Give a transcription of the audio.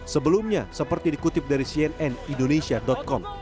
sebelumnya seperti dikutip dari cnn indonesia com